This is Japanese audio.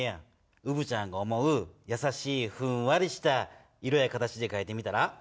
うぶちゃんが思うやさしいふんわりした色や形でかいたら。